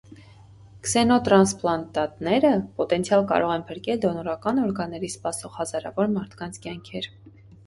Քսենոտրանսպլանտատները պոտենցիալ կարող են փրկել դոնորական օրգանների սպասող հազարավոր մարդկանց կյանքեր։